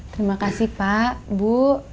terima kasih pak bu